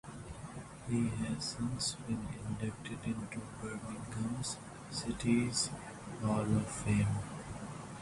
He has since been inducted into Birmingham City's Hall of Fame.